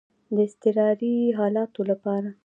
د اضطراري حالاتو لپاره.